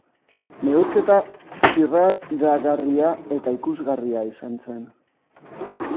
Neurketa zirraragarria eta ikusgarria izan zen.